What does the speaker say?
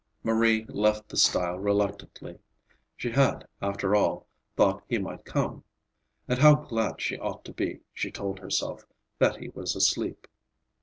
Marie left the stile reluctantly. She had, after all, thought he might come. And how glad she ought to be, she told herself, that he was asleep.